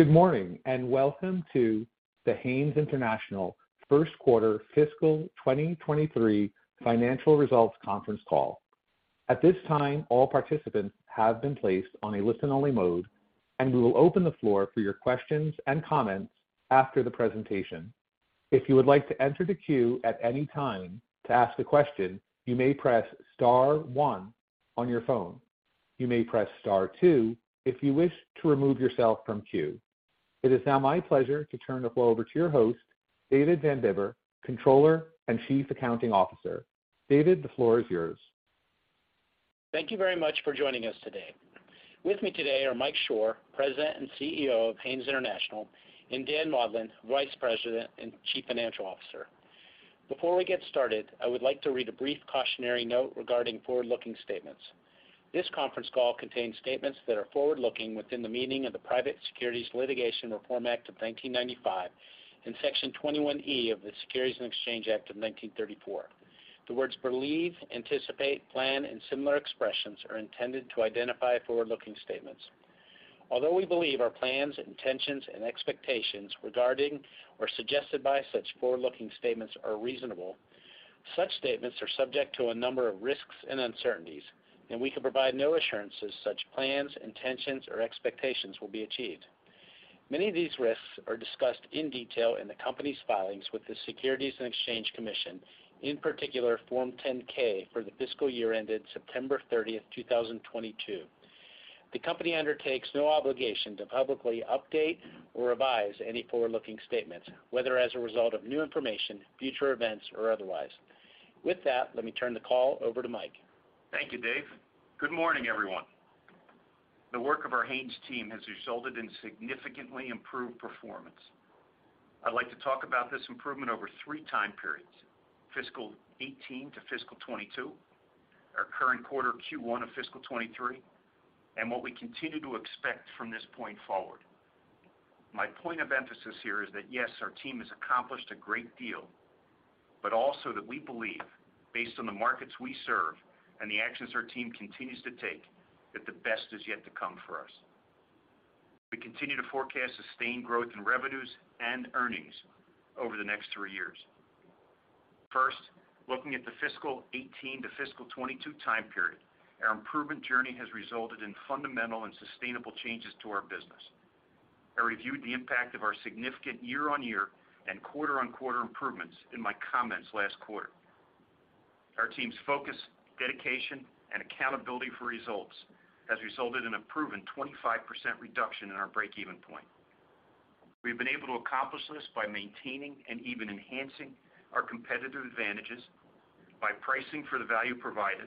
Good morning, and welcome to the Haynes International first quarter fiscal 2023 financial results conference call. At this time, all participants have been placed on a listen-only mode, and we will open the floor for your questions and comments after the presentation. If you would like to enter the queue at any time to ask a question, you may press star one on your phone. You may press star two if you wish to remove yourself from queue. It is now my pleasure to turn the floor over to your host, David Van Bibber, Controller and Chief Accounting Officer. David, the floor is yours. Thank you very much for joining us today. With me today are Mike Shor, President and CEO of Haynes International, and Daniel Maudlin, Vice President and Chief Financial Officer. Before we get started, I would like to read a brief cautionary note regarding forward-looking statements. This conference call contains statements that are forward-looking within the meaning of the Private Securities Litigation Reform Act of 1995 and Section 21E of the Securities Exchange Act of 1934. The words believe, anticipate, plan, and similar expressions are intended to identify forward-looking statements. Although we believe our plans, intentions, and expectations regarding or suggested by such forward-looking statements are reasonable, such statements are subject to a number of risks and uncertainties, and we can provide no assurances such plans, intentions, or expectations will be achieved. Many of these risks are discussed in detail in the company's filings with the Securities and Exchange Commission, in particular Form 10-K for the fiscal year ended September 30th, 2022. The company undertakes no obligation to publicly update or revise any forward-looking statements, whether as a result of new information, future events, or otherwise. With that, let me turn the call over to Mike. Thank you, David. Good morning, everyone. The work of our Haynes team has resulted in significantly improved performance. I'd like to talk about this improvement over 3 time periods, fiscal 18 to fiscal 22, our current quarter Q1 of fiscal 23, and what we continue to expect from this point forward. My point of emphasis here is that, yes, our team has accomplished a great deal, but also that we believe, based on the markets we serve and the actions our team continues to take, that the best is yet to come for us. We continue to forecast sustained growth in revenues and earnings over the next 3 years. First, looking at the fiscal 18 to fiscal 22 time period, our improvement journey has resulted in fundamental and sustainable changes to our business. I reviewed the impact of our significant year-on-year and quarter-on-quarter improvements in my comments last quarter. Our team's focus, dedication, and accountability for results has resulted in a proven 25% reduction in our break-even point. We've been able to accomplish this by maintaining and even enhancing our competitive advantages by pricing for the value provided,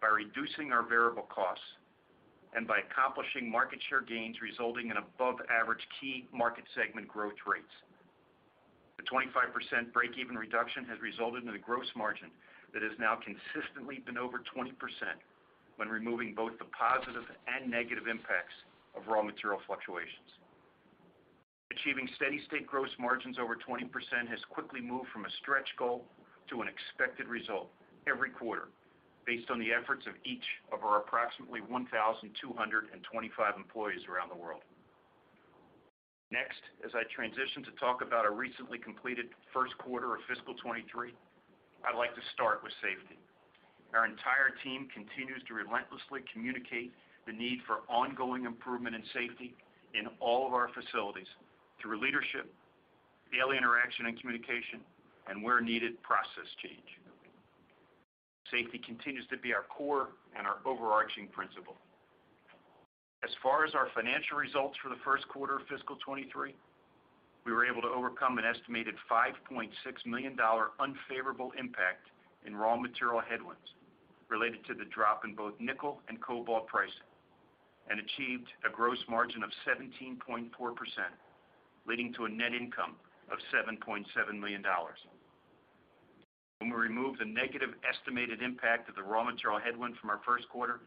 by reducing our variable costs, and by accomplishing market share gains resulting in above average key market segment growth rates. The 25% break-even reduction has resulted in a gross margin that has now consistently been over 20% when removing both the positive and negative impacts of raw material fluctuations. Achieving steady-state gross margins over 20% has quickly moved from a stretch goal to an expected result every quarter based on the efforts of each of our approximately 1,225 employees around the world. As I transition to talk about our recently completed first quarter of fiscal 2023, I'd like to start with safety. Our entire team continues to relentlessly communicate the need for ongoing improvement in safety in all of our facilities through leadership, daily interaction and communication, and where needed, process change. Safety continues to be our core and our overarching principle. As far as our financial results for the first quarter of fiscal 2023, we were able to overcome an estimated $5.6 million unfavorable impact in raw material headwinds related to the drop in both nickel and cobalt pricing and achieved a gross margin of 17.4%, leading to a net income of $7.7 million. When we remove the negative estimated impact of the raw material headwind from our first quarter,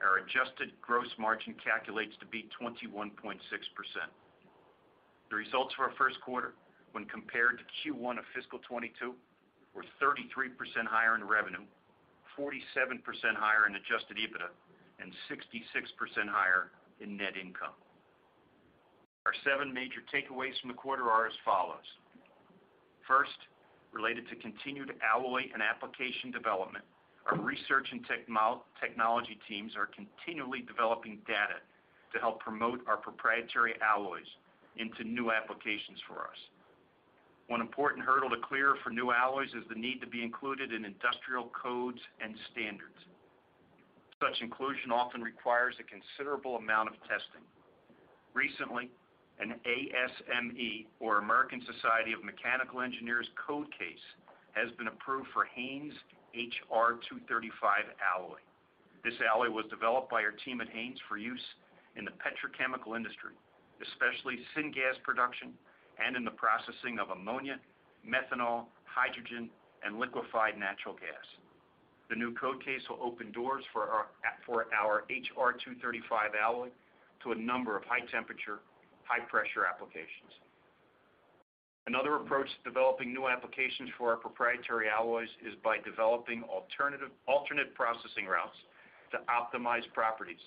our adjusted gross margin calculates to be 21.6%. The results for our first quarter when compared to Q1 of fiscal 2022 were 33% higher in revenue, 47% higher in adjusted EBITDA, and 66% higher in net income. Our seven major takeaways from the quarter are as follows. First, related to continued alloy and application development, our research and technology teams are continually developing data to help promote our proprietary alloys into new applications for us. One important hurdle to clear for new alloys is the need to be included in industrial codes and standards. Such inclusion often requires a considerable amount of testing. Recently, an ASME or American Society of Mechanical Engineers Code Case has been approved for HAYNES HR-235 alloy. This alloy was developed by our team at Haynes for use in the petrochemical industry, especially syngas production and in the processing of ammonia, methanol, hydrogen, and liquefied natural gas. The new code case will open doors for our HR-235 alloy to a number of high temperature, high pressure applications. Another approach to developing new applications for our proprietary alloys is by developing alternate processing routes to optimize properties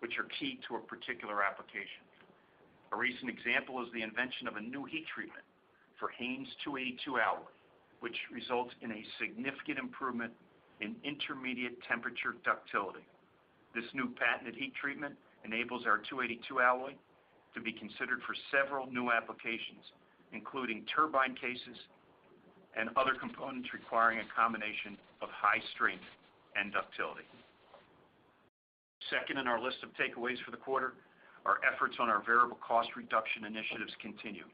which are key to a particular application. A recent example is the invention of a new heat treatment for Haynes 282 alloy, which results in a significant improvement in intermediate temperature ductility. This new patented heat treatment enables our 282 alloy to be considered for several new applications, including turbine cases and other components requiring a combination of high strength and ductility. Second in our list of takeaways for the quarter, our efforts on our variable cost reduction initiatives continue.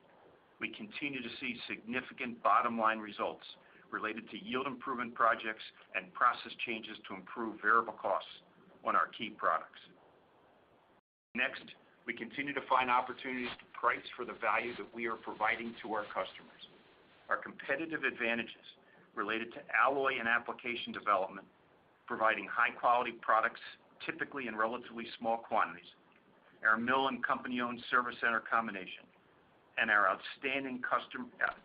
We continue to see significant bottom-line results related to yield improvement projects and process changes to improve variable costs on our key products. We continue to find opportunities to price for the value that we are providing to our customers. Our competitive advantages related to alloy and application development, providing high-quality products typically in relatively small quantities. Our mill and company-owned service center combination and our outstanding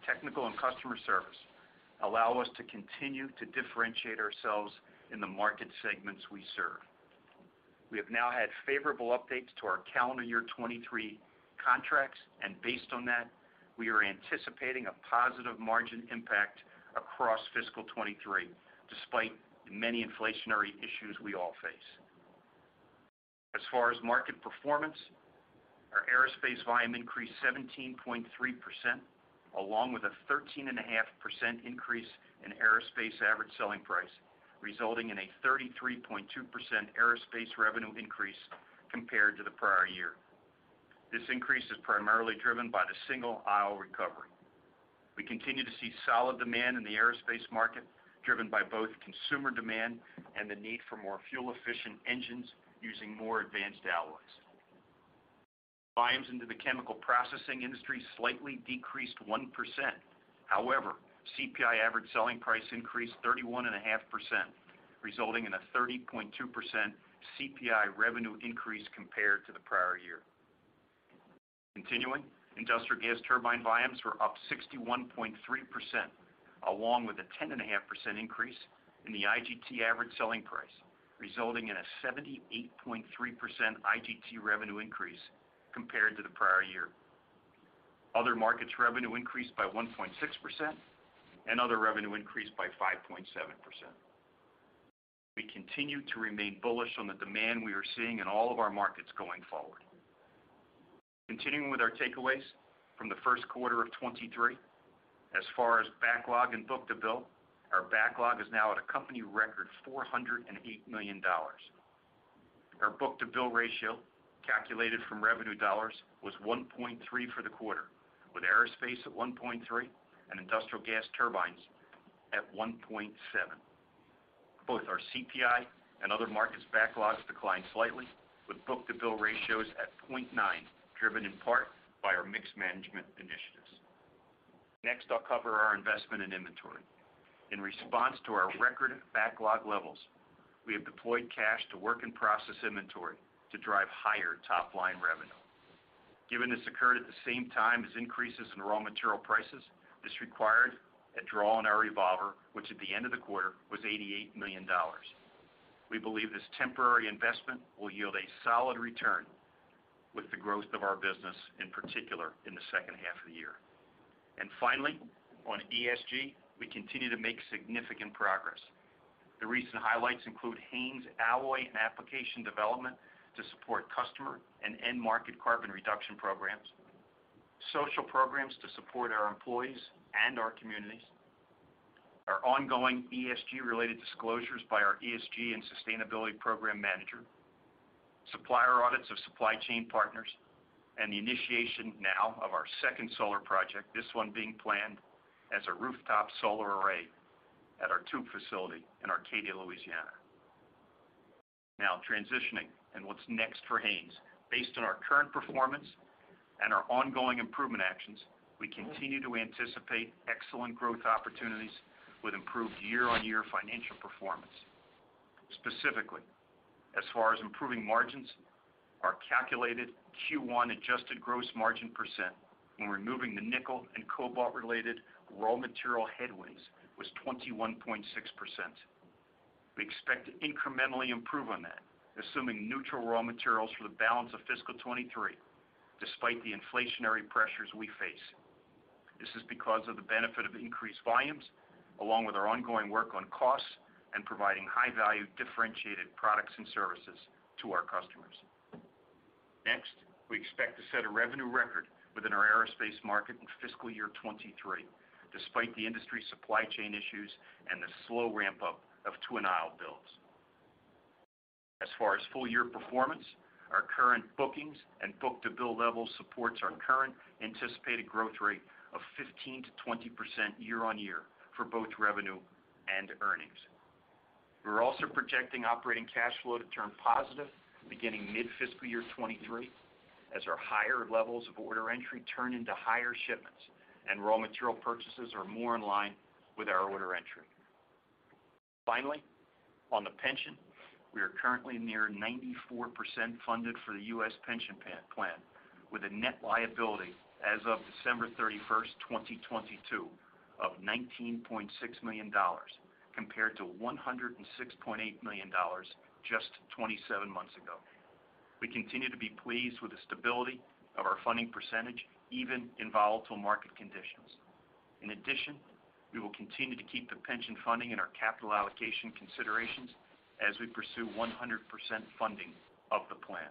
technical and customer service allow us to continue to differentiate ourselves in the market segments we serve. We have now had favorable updates to our calendar year 23 contracts, and based on that, we are anticipating a positive margin impact across fiscal 23 despite the many inflationary issues we all face. Our aerospace volume increased 17.3% along with a 13.5% increase in aerospace average selling price, resulting in a 33.2% aerospace revenue increase compared to the prior year. This increase is primarily driven by the single aisle recovery. We continue to see solid demand in the aerospace market, driven by both consumer demand and the need for more fuel-efficient engines using more advanced alloys. Volumes into the chemical processing industry slightly decreased 1%. CPI average selling price increased 31.5%, resulting in a 30.2% CPI revenue increase compared to the prior year. Industrial gas turbine volumes were up 61.3%, along with a 10.5% increase in the IGT average selling price, resulting in a 78.3% IGT revenue increase compared to the prior year. Other markets revenue increased by 1.6% and other revenue increased by 5.7%. We continue to remain bullish on the demand we are seeing in all of our markets going forward. Continuing with our takeaways from the first quarter of 23, as far as backlog and book-to-bill, our backlog is now at a company record $408 million. Our book-to-bill ratio, calculated from revenue dollars, was 1.3 for the quarter, with aerospace at 1.3 and industrial gas turbines at 1.7. Both our CPI and other markets backlogs declined slightly with book-to-bill ratios at 0.9, driven in part by our mix management initiatives. Next, I'll cover our investment in inventory. In response to our record backlog levels, we have deployed cash to work and process inventory to drive higher top-line revenue. Given this occurred at the same time as increases in raw material prices, this required a draw on our revolver, which at the end of the quarter was $88 million. We believe this temporary investment will yield a solid return with the growth of our business, in particular in the second half of the year. Finally, on ESG, we continue to make significant progress. The recent highlights include HAYNES alloy and application development to support customer and end market carbon reduction programs, social programs to support our employees and our communities, our ongoing ESG related disclosures by our ESG and sustainability program manager, supplier audits of supply chain partners, and the initiation now of our second solar project, this one being planned as a rooftop solar array at our tube facility in Arcadia, Louisiana. Transitioning and what's next for Haynes. Based on our current performance and our ongoing improvement actions, we continue to anticipate excellent growth opportunities with improved year-on-year financial performance. Specifically, as far as improving margins, our calculated Q1 adjusted gross margin % when removing the nickel and cobalt-related raw material headwinds was 21.6%. We expect to incrementally improve on that, assuming neutral raw materials for the balance of fiscal 2023, despite the inflationary pressures we face. This is because of the benefit of increased volumes along with our ongoing work on costs and providing high-value differentiated products and services to our customers. We expect to set a revenue record within our aerospace market in fiscal year 2023, despite the industry supply chain issues and the slow ramp-up of twin aisle builds. As far as full year performance, our current bookings and book-to-bill level supports our current anticipated growth rate of 15% to 20% year-on-year for both revenue and earnings. We're also projecting operating cash flow to turn positive beginning mid-fiscal year 2023, as our higher levels of order entry turn into higher shipments and raw material purchases are more in line with our order entry. Finally, on the pension, we are currently near 94% funded for the U.S. pension plan, with a net liability as of December 31, 2022 of $19.6 million compared to $106.8 million just 27 months ago. We continue to be pleased with the stability of our funding percentage even in volatile market conditions. In addition, we will continue to keep the pension funding in our capital allocation considerations as we pursue 100% funding of the plan.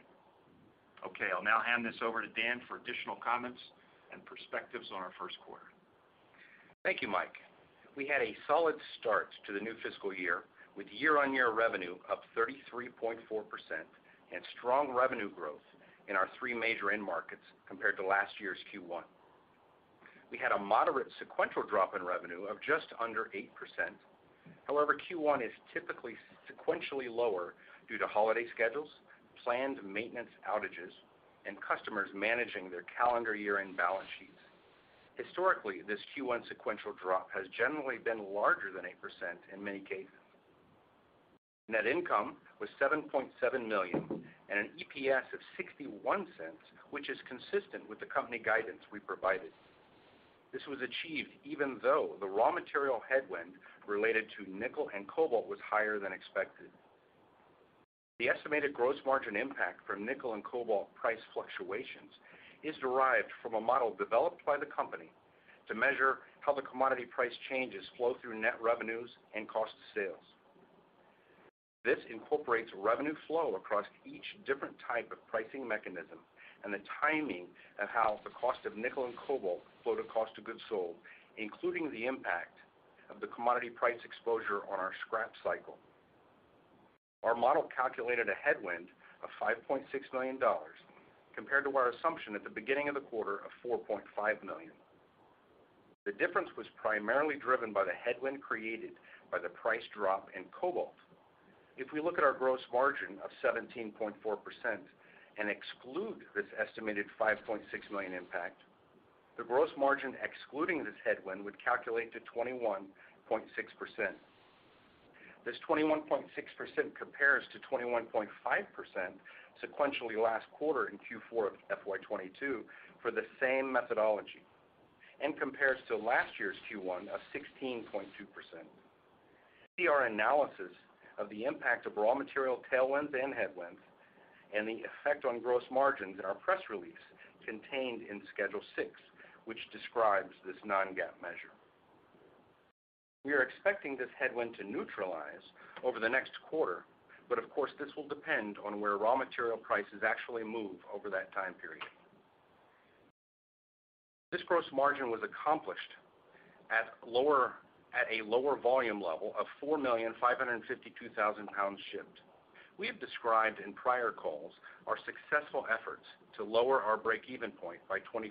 Okay, I'll now hand this over to Dan for additional comments and perspectives on our first quarter. Thank you, Mike. We had a solid start to the new fiscal year with year-over-year revenue up 33.4% and strong revenue growth in our three major end markets compared to last year's Q1. We had a moderate sequential drop in revenue of just under 8%. However, Q1 is typically sequentially lower due to holiday schedules, planned maintenance outages, and customers managing their calendar year-end balance sheets. Historically, this Q1 sequential drop has generally been larger than 8% in many cases. Net income was $7.7 million and an EPS of $0.61, which is consistent with the company guidance we provided. This was achieved even though the raw material headwind related to nickel and cobalt was higher than expected. The estimated gross margin impact from nickel and cobalt price fluctuations is derived from a model developed by the company to measure how the commodity price changes flow through net revenues and cost of sales. This incorporates revenue flow across each different type of pricing mechanism and the timing of how the cost of nickel and cobalt flow to cost of goods sold, including the impact of the commodity price exposure on our scrap cycle. Our model calculated a headwind of $5.6 million compared to our assumption at the beginning of the quarter of $4.5 million. The difference was primarily driven by the headwind created by the price drop in cobalt. If we look at our gross margin of 17.4% and exclude this estimated $5.6 million impact, the gross margin excluding this headwind would calculate to 21.6%. This 21.6% compares to 21.5% sequentially last quarter in Q4 of FY 2022 for the same methodology and compares to last year's Q1 of 16.2%. See our analysis of the impact of raw material tailwinds and headwinds and the effect on gross margins in our press release contained in Schedule 6, which describes this non-GAAP measure. We are expecting this headwind to neutralize over the next quarter, but of course, this will depend on where raw material prices actually move over that time period. This gross margin was accomplished at a lower volume level of 4,552,000 pounds shipped. We have described in prior calls our successful efforts to lower our break-even point by 25%.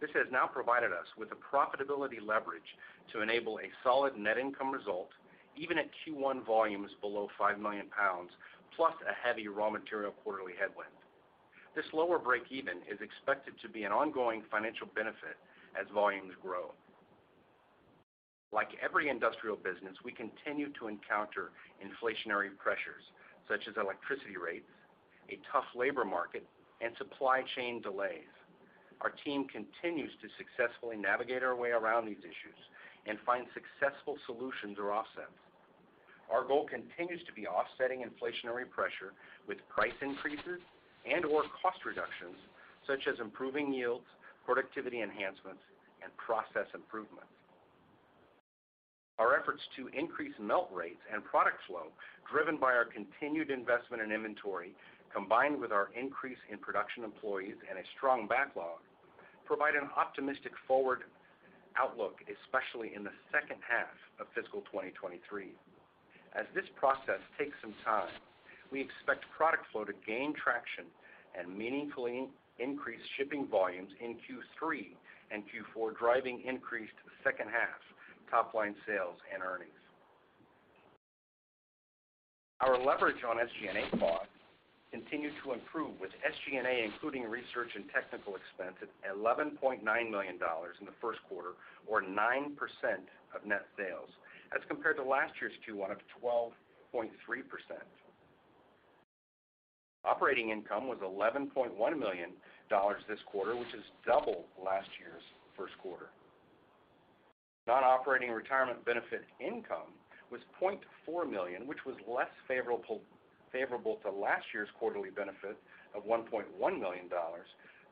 This has now provided us with a profitability leverage to enable a solid net income result, even at Q1 volumes below 5 million pounds, plus a heavy raw material quarterly headwind. This lower break even is expected to be an ongoing financial benefit as volumes grow. Like every industrial business, we continue to encounter inflationary pressures such as electricity rates, a tough labor market, and supply chain delays. Our team continues to successfully navigate our way around these issues and find successful solutions or offsets. Our goal continues to be offsetting inflationary pressure with price increases and or cost reductions such as improving yields, productivity enhancements, and process improvements. Our efforts to increase melt rates and product flow driven by our continued investment in inventory, combined with our increase in production employees and a strong backlog, provide an optimistic forward outlook, especially in the second half of fiscal 2023. As this process takes some time, we expect product flow to gain traction and meaningfully increase shipping volumes in Q3 and Q4, driving increased second half top-line sales and earnings. Our leverage on SG&A costs continued to improve, with SG&A, including research and technical expense, at $11.9 million in the first quarter or 9% of net sales, as compared to last year's Q1 of 12.3%. Operating income was $11.1 million this quarter, which is double last year's first quarter. Non-operating retirement benefit income was $0.4 million, which was less favorable to last year's quarterly benefit of $1.1 million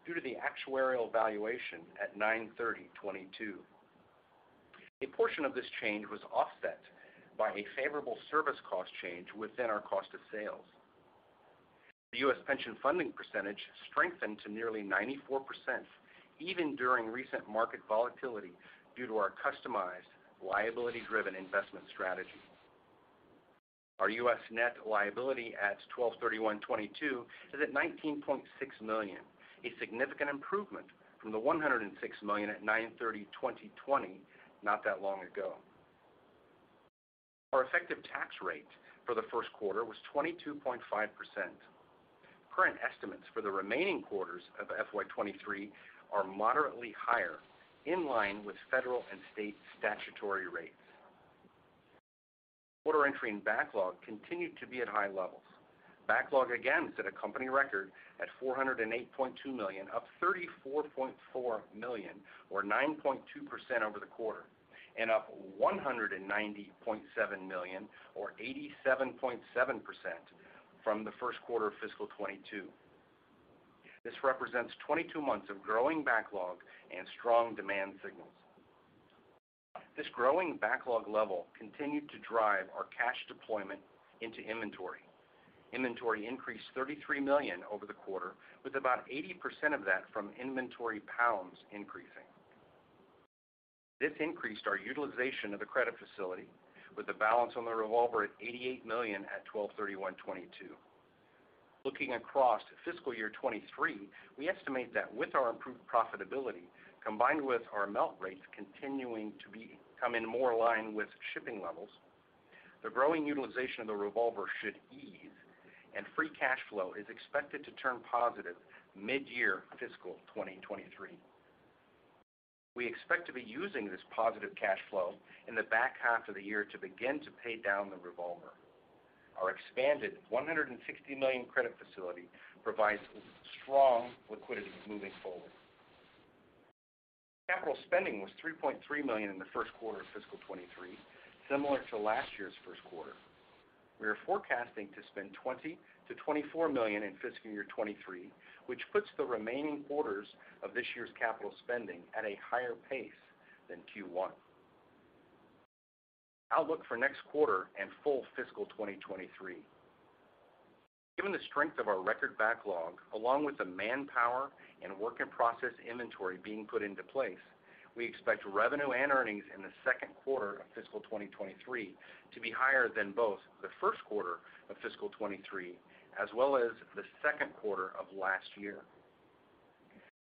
due to the actuarial valuation at 9/30/2022. A portion of this change was offset by a favorable service cost change within our cost of sales. The U.S. pension funding percentage strengthened to nearly 94%, even during recent market volatility, due to our customized liability-driven investment strategy. Our U.S. net liability at 12/31/2022 is at $19.6 million, a significant improvement from the $106 million at 9/30/2020 not that long ago. Our effective tax rate for the first quarter was 22.5%. Current estimates for the remaining quarters of FY 2023 are moderately higher, in line with federal and state statutory rates. Order entry and backlog continued to be at high levels. Backlog again set a company record at $408.2 million, up $34.4 million or 9.2% over the quarter, and up $190.7 million or 87.7% from the first quarter of fiscal 2022. This represents 22 months of growing backlog and strong demand signals. This growing backlog level continued to drive our cash deployment into inventory. Inventory increased $33 million over the quarter, with about 80% of that from inventory pounds increasing. This increased our utilization of the credit facility with the balance on the revolver at $88 million at 12/31/2022. Looking across fiscal year 2023, we estimate that with our improved profitability, combined with our melt rates continuing to be coming more in line with shipping levels, the growing utilization of the revolver should ease, and free cash flow is expected to turn positive mid-year fiscal 2023. We expect to be using this positive cash flow in the back half of the year to begin to pay down the revolver. Our expanded $160 million credit facility provides strong liquidity moving forward. Capital spending was $3.3 million in the first quarter of fiscal 2023, similar to last year's first quarter. We are forecasting to spend $20 million to $24 million in fiscal year 2023, which puts the remaining quarters of this year's capital spending at a higher pace than Q1. Outlook for next quarter and full fiscal 2023. Given the strength of our record backlog, along with the manpower and work in process inventory being put into place, we expect revenue and earnings in the second quarter of fiscal 2023 to be higher than both the first quarter of fiscal 2023 as well as the second quarter of last year.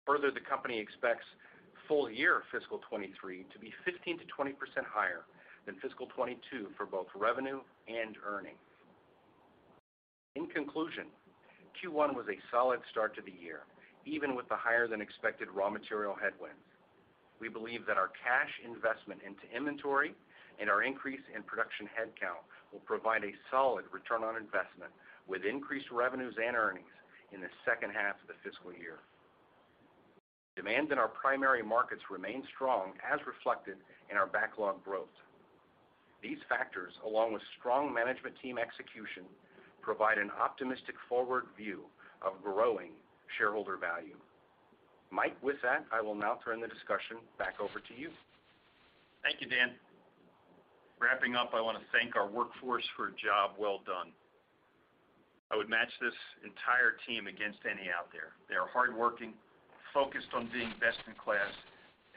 The company expects full year fiscal 2023 to be 15%-20% higher than fiscal 2022 for both revenue and earnings. In conclusion, Q1 was a solid start to the year, even with the higher than expected raw material headwinds. We believe that our cash investment into inventory and our increase in production headcount will provide a solid return on investment, with increased revenues and earnings in the second half of the fiscal year. Demand in our primary markets remain strong, as reflected in our backlog growth. These factors, along with strong management team execution, provide an optimistic forward view of growing shareholder value. Mike, with that, I will now turn the discussion back over to you. Thank you, Dan. Wrapping up, I want to thank our workforce for a job well done. I would match this entire team against any out there. They are hardworking, focused on being best in class,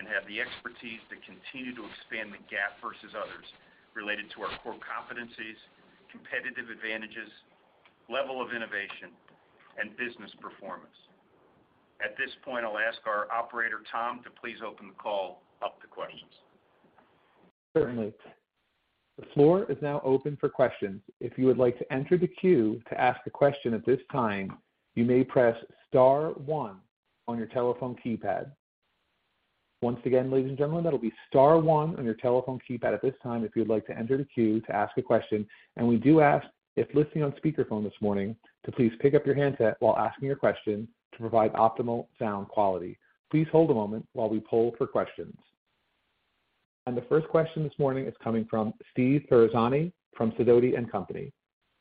and have the expertise to continue to expand the gap versus others related to our core competencies, competitive advantages, level of innovation, and business performance. At this point, I'll ask our operator, Tom, to please open the call up to questions. Certainly. The floor is now open for questions. If you would like to enter the queue to ask a question at this time, you may press star one on your telephone keypad. Once again, ladies and gentlemen, that'll be star one on your telephone keypad at this time if you'd like to enter the queue to ask a question. We do ask, if listening on speakerphone this morning, to please pick up your handset while asking your question to provide optimal sound quality. Please hold a moment while we poll for questions. The first question this morning is coming from Steve Ferazani from Sidoti and Company.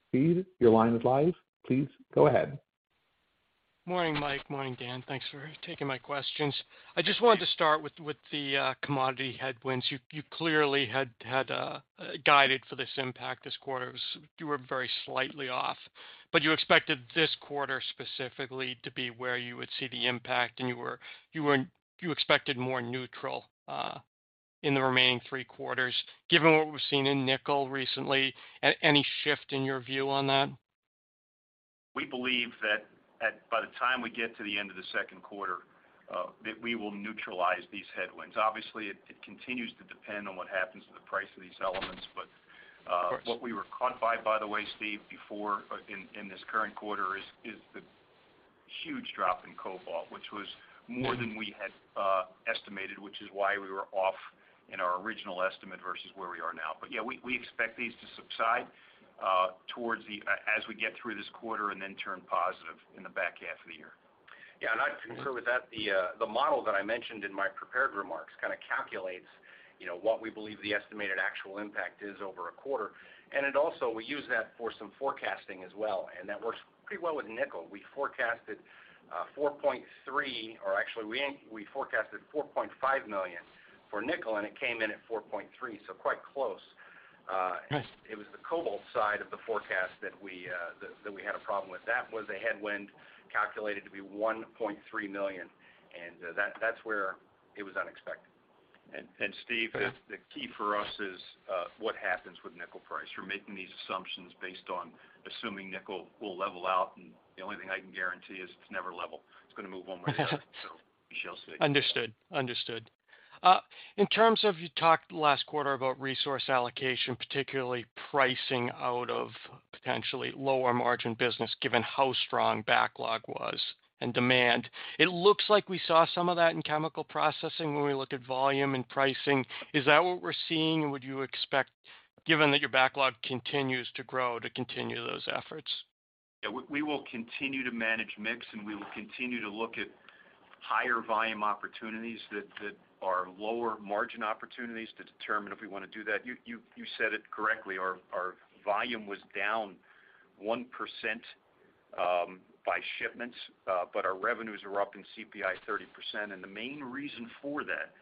Steve, your line is live. Please go ahead. Morning, Mike. Morning, Dan. Thanks for taking my questions. I just wanted to start with the commodity headwinds. You clearly had guided for this impact this quarter. You were very slightly off, but you expected this quarter specifically to be where you would see the impact, and you expected more neutral in the remaining three quarters. Given what we've seen in nickel recently, any shift in your view on that? We believe that by the time we get to the end of the second quarter, that we will neutralize these headwinds. Obviously, it continues to depend on what happens to the price of these elements. Of course.... what we were caught by the way, Steve, before, in this current quarter is the huge drop in cobalt, which was more than we had estimated, which is why we were off in our original estimate versus where we are now. Yeah, we expect these to subside, towards the, as we get through this quarter and then turn positive in the back half of the year. Yeah, I'd concur with that. The model that I mentioned in my prepared remarks kinda calculates, you know, what we believe the estimated actual impact is over a quarter. It also, we use that for some forecasting as well, and that works pretty well with nickel. We forecasted $4.3 million, or actually, we forecasted $4.5 million for nickel, and it came in at $4.3 million, so quite close. Nice... it was the cobalt side of the forecast that we had a problem with. That was a headwind calculated to be $1.3 million, and that's where it was unexpected. Steve. Yeah the key for us is what happens with nickel price. We're making these assumptions based on assuming nickel will level out, and the only thing I can guarantee is it's never level. It's gonna move one way or the other. Understood. Understood. In terms of you talked last quarter about resource allocation, particularly pricing out of potentially lower margin business, given how strong backlog was and demand. It looks like we saw some of that in chemical processing when we look at volume and pricing. Is that what we're seeing? Would you expect, given that your backlog continues to grow, to continue those efforts? Yeah. We will continue to manage mix, and we will continue to look at higher volume opportunities that are lower margin opportunities to determine if we wanna do that. You said it correctly, our volume was down 1% by shipments, but our revenues are up in CPI 30%. The main reason for that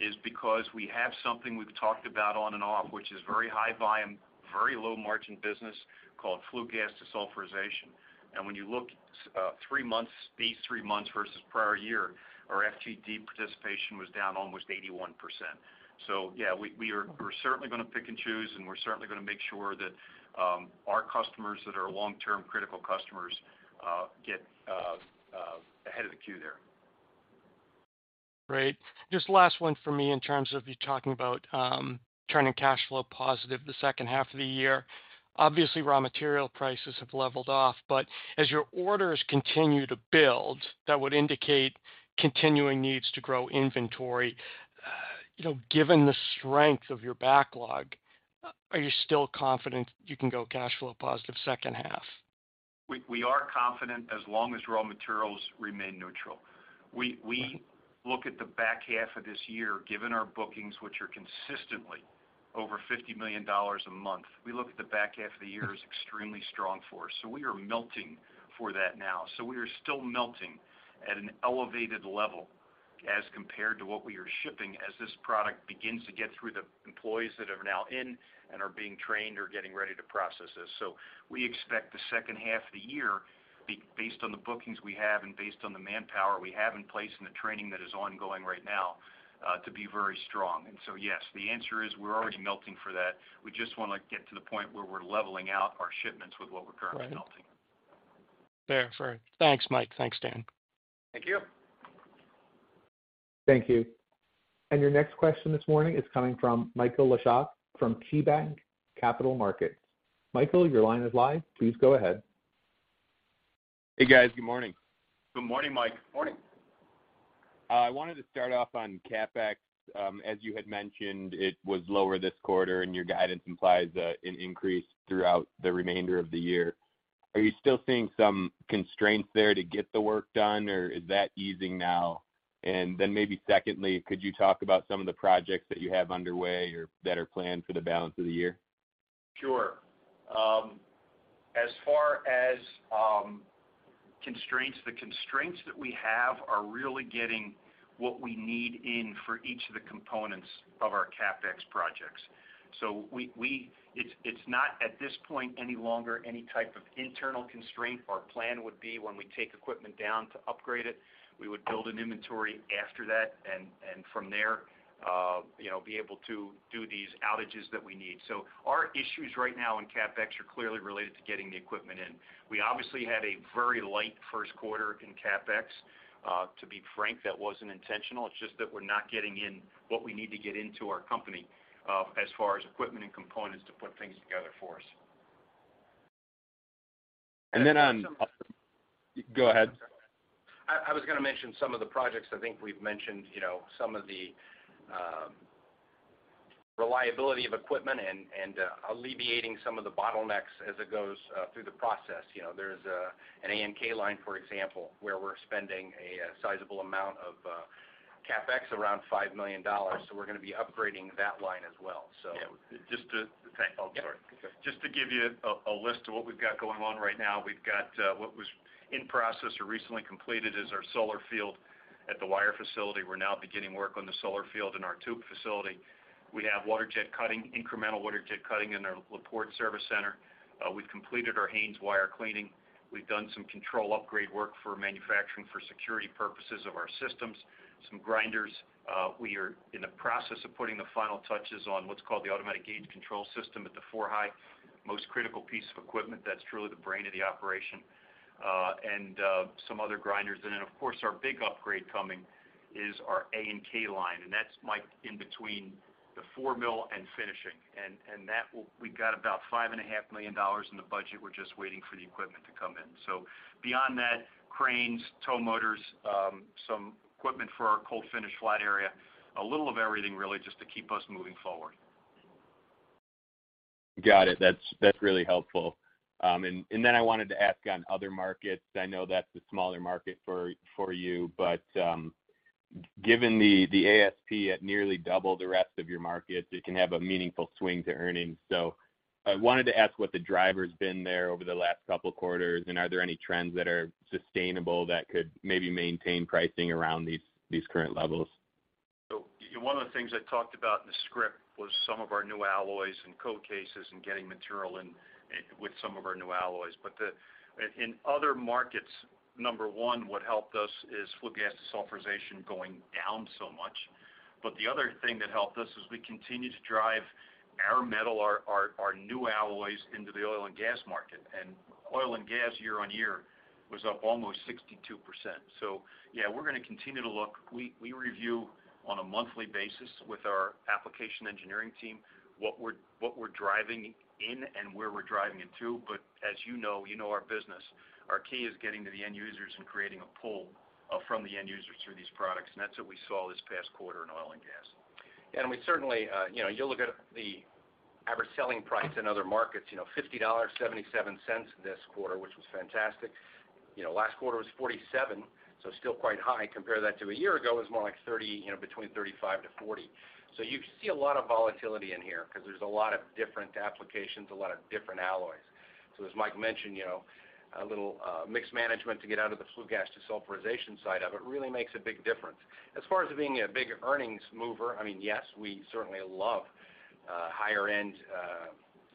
is because we have something we've talked about on and off, which is very high volume, very low margin business called flue gas desulfurization. When you look these 3 months versus prior year, our FGD participation was down almost 81%. Yeah, we're certainly gonna pick and choose, and we're certainly gonna make sure that our customers that are long-term critical customers get ahead of the queue there. Great. Just last one for me in terms of you talking about turning cash flow positive the second half of the year. Obviously, raw material prices have leveled off. As your orders continue to build, that would indicate continuing needs to grow inventory. you know, given the strength of your backlog, are you still confident you can go cash flow positive second half? We are confident as long as raw materials remain neutral. We look at the back half of this year, given our bookings, which are consistently over $50 million a month. We look at the back half of the year as extremely strong for us. We are melting for that now. We are still melting at an elevated level as compared to what we are shipping as this product begins to get through the employees that are now in and are being trained or getting ready to process this. We expect the second half of the year be based on the bookings we have and based on the manpower we have in place and the training that is ongoing right now, to be very strong. Yes, the answer is we're already melting for that. We just wanna get to the point where we're leveling out our shipments with what we're currently melting. Fair. Fair. Thanks, Mike. Thanks, Dan. Thank you. Thank you. Your next question this morning is coming from Michael Leshock from KeyBanc Capital Markets. Michael, your line is live. Please go ahead. Hey, guys. Good morning. Good morning, Mike. Morning. I wanted to start off on CapEx. As you had mentioned, it was lower this quarter, and your guidance implies an increase throughout the remainder of the year. Are you still seeing some constraints there to get the work done, or is that easing now? Maybe secondly, could you talk about some of the projects that you have underway or that are planned for the balance of the year? Sure. As far as constraints, the constraints that we have are really getting what we need in for each of the components of our CapEx projects. It's not at this point any longer any type of internal constraint. Our plan would be when we take equipment down to upgrade it, we would build an inventory after that and from there, you know, be able to do these outages that we need. Our issues right now in CapEx are clearly related to getting the equipment in. We obviously had a very light first quarter in CapEx. To be frank, that wasn't intentional. It's just that we're not getting in what we need to get into our company, as far as equipment and components to put things together for us. Go ahead. I was gonna mention some of the projects. I think we've mentioned, you know, some of the reliability of equipment and alleviating some of the bottlenecks as it goes through the process. You know, there's an A&K line, for example, where we're spending a sizable amount of CapEx around $5 million. We're gonna be upgrading that line as well. Yeah. Just to give you a list of what we've got going on right now, we've got what was in process or recently completed is our solar field at the wire facility. We're now beginning work on the solar field in our tube facility. We have water jet cutting, incremental water jet cutting in our LaPorte service center. We've completed our Haynes wire cleaning. We've done some control upgrade work for manufacturing for security purposes of our systems. Some grinders, we are in the process of putting the final touches on what's called the automatic gauge control system at the four-high. Most critical piece of equipment that's truly the brain of the operation, and some other grinders. Of course, our big upgrade coming is our A&K line, and that's, Mike, in between the four-high mill and finishing. That we've got about five and a half million dollars in the budget. We're just waiting for the equipment to come in. Beyond that, cranes, tow motors, some equipment for our cold finish flat area, a little of everything, really, just to keep us moving forward. Got it. That's really helpful. Then I wanted to ask on other markets, I know that's the smaller market for you, but given the ASP at nearly double the rest of your markets, it can have a meaningful swing to earnings. I wanted to ask what the driver's been there over the last couple quarters, and are there any trends that are sustainable that could maybe maintain pricing around these current levels? One of the things I talked about in the script was some of our new alloys and Code Cases and getting material in with some of our new alloys. In other markets, number one, what helped us is flue gas desulfurization going down so much. The other thing that helped us is we continue to drive our metal, our new alloys into the oil and gas market. Oil and gas year-on-year was up almost 62%. Yeah, we're gonna continue to look. We review on a monthly basis with our application engineering team, what we're driving in and where we're driving it to. As you know our business. Our key is getting to the end users and creating a pull, from the end users through these products, and that's what we saw this past quarter in oil and gas. We certainly, you know, you look at the average selling price in other markets, you know, $50.77 this quarter, which was fantastic. You know, last quarter was $47, still quite high. Compare that to a year ago, it was more like $30, you know, between $35 to $40. You see a lot of volatility in here 'cause there's a lot of different applications, a lot of different alloys. As Mike mentioned, you know, a little mixed management to get out of the flue gas desulfurization side of it really makes a big difference. As far as it being a big earnings mover, I mean, yes, we certainly love higher end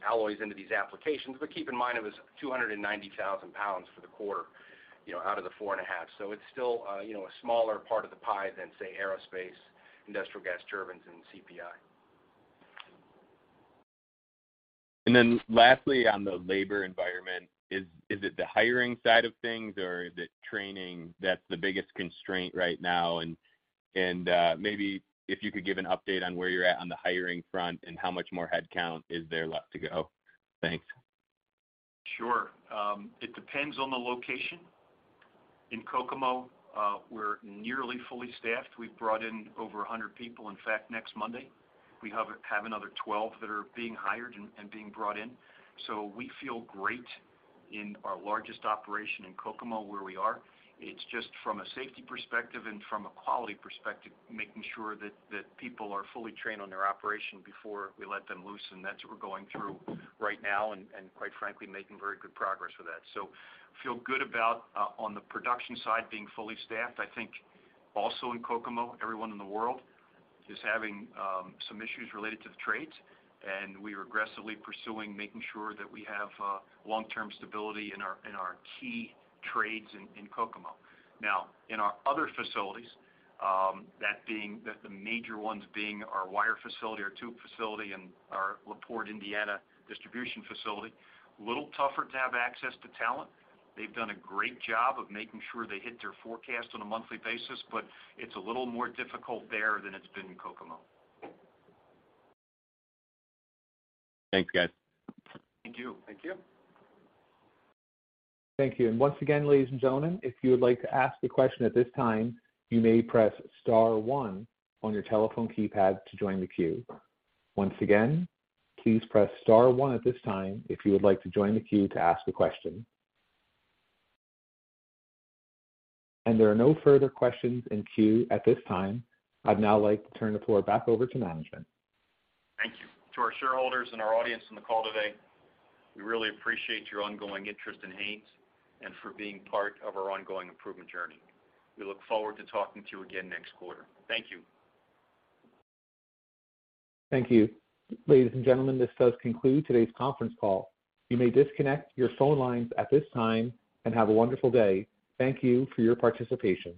alloys into these applications, but keep in mind it was 290,000 pounds for the quarter, you know, out of the four and a half. It's still, you know, a smaller part of the pie than, say, aerospace, industrial gas turbines, and CPI. Lastly, on the labor environment, is it the hiring side of things, or is it training that's the biggest constraint right now? Maybe if you could give an update on where you're at on the hiring front and how much more headcount is there left to go? Thanks. Sure. It depends on the location. In Kokomo, we're nearly fully staffed. We've brought in over 100 people. In fact, next Monday, we have another 12 that are being hired and being brought in. We feel great in our largest operation in Kokomo, where we are. It's just from a safety perspective and from a quality perspective, making sure that people are fully trained on their operation before we let them loose, and that's what we're going through right now. Quite frankly, making very good progress with that. Feel good about on the production side, being fully staffed. I think also in Kokomo, everyone in the world is having some issues related to the trades, and we are aggressively pursuing making sure that we have long-term stability in our key trades in Kokomo. In our other facilities, the major ones being our wire facility, our tube facility, and our LaPorte, Indiana distribution facility, little tougher to have access to talent. They've done a great job of making sure they hit their forecast on a monthly basis, but it's a little more difficult there than it's been in Kokomo. Thanks, guys. Thank you. Thank you. Thank you. Once again, ladies and gentlemen, if you would like to ask a question at this time, you may press star one on your telephone keypad to join the queue. Once again, please press star one at this time if you would like to join the queue to ask a question. There are no further questions in queue at this time. I'd now like to turn the floor back over to management. Thank you. To our shareholders and our audience on the call today, we really appreciate your ongoing interest in Haynes and for being part of our ongoing improvement journey. We look forward to talking to you again next quarter. Thank you. Thank you. Ladies and gentlemen, this does conclude today's conference call. You may disconnect your phone lines at this time, and have a wonderful day. Thank you for your participation.